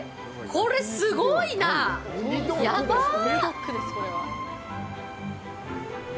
これすごいなあ。やばーっ。